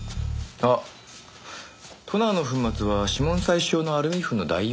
あっトナーの粉末は指紋採取用のアルミ粉の代用になる。